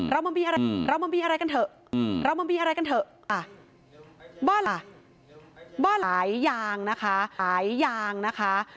เราไม่มีอะไรกันเถอะบ้านหายยางนะคะ